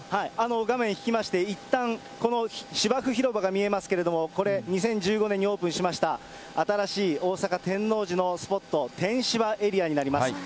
画面引きまして、いったん、この芝生広場が見えますけれども、これ、２０１５年にオープンしました、新しい大阪・天王寺のスポット、てんしばエリアになります。